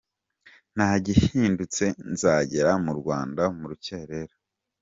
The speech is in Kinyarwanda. Nta gihindutse nzagera mu Rwanda mu rukerera